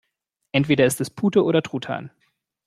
Entweder ist es Pute oder Truthahn.